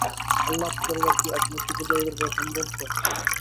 আল্লাহ্ পূজারীরা কি আজ মূর্তি-পূজারীদের ভয়ে সন্ত্রস্ত?